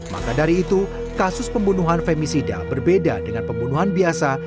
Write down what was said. maka dari itu kasus pembunuhan femisida berbeda dengan pembunuhan biasa